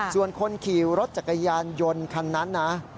ส่วนคนขี่รถจักรยานยนต์คันนั้นนะ